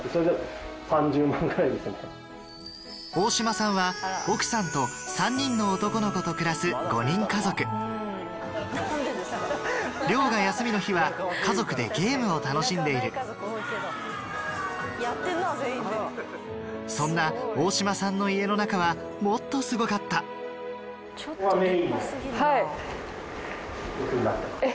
大嶋さんは奥さんと３人の男の子と暮らす５人家族漁が休みの日は家族でゲームを楽しんでいるそんな大嶋さんの家の中はもっとすごかったここがメインの。